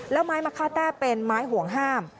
แล้วไม้มะค่าแต้เป็นไม้ห่วงห้าม